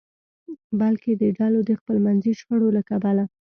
بلکې د ډلو د خپلمنځي شخړو له کبله.